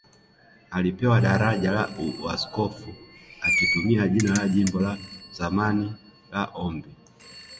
Alipewa daraja la Uaskofu akitumia jina la jimbo la zamani la Ombi